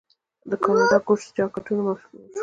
د کاناډا ګوز جاکټونه مشهور دي.